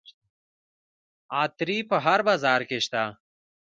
عطاري په هر بازار کې شته.